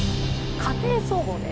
「家庭総合」です。